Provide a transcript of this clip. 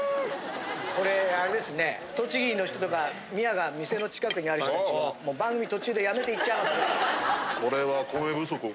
これあれですね栃木の人とか宮が店の近くにある人たちはもう番組途中でやめて行っちゃいますね。